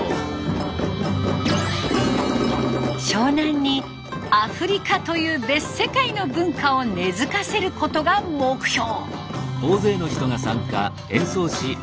湘南にアフリカという別世界の文化を根づかせることが目標。